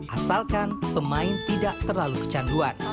asalkan pemain tidak terlalu kecanduan